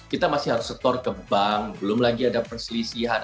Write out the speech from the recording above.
kita masih harus setor ke bank belum lagi ada perselisihan